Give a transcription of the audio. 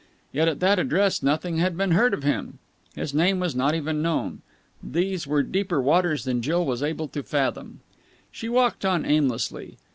Yet at that address nothing had been heard of him. His name was not even known. These were deeper waters than Jill was able to fathom. She walked on aimlessly.